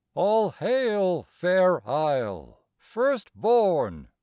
All hail, fair Isle, first born!